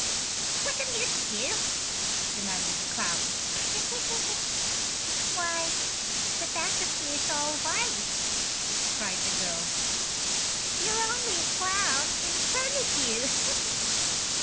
"What amuses you?" demanded the clown. "Why, the back of you is all white!" cried the girl. "You're only a clown in front of you."